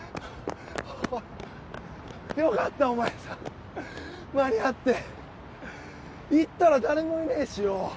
よかったお前さん間に合って行ったら誰もいねえしよ